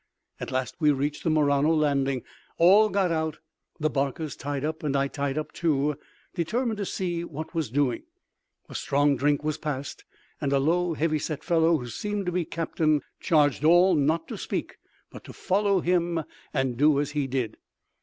At last we reached the Murano landing. All got out, the barcas tied up, and I tied up, too, determined to see what was doing. The strong drink was passed, and a low, heavy set fellow who seemed to be captain charged all not to speak, but to follow him and do as he did.